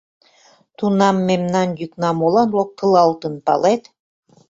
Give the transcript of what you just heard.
— Тунам мемнан йӱкна молан локтылалтын, палет?